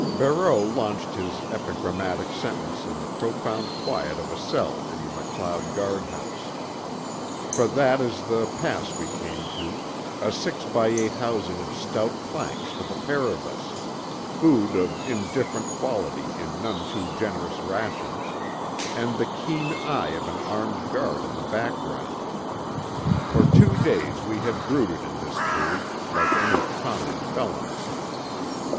Barreau launched this epigrammatic sentence in the profound quiet of a cell in the MacLeod guardhouse. For that is the pass we came to: a six by eight housing of stout planks for the pair of us, food of indifferent quality in none too generous rations, and the keen eye of an armed guard in the background. For two days we had brooded in this cage, like any common felons.